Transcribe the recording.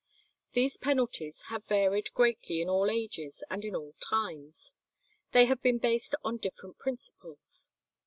These penalties have varied greatly in all ages and in all times. They have been based on different principles.